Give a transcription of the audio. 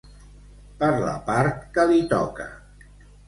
Per la part que li toca.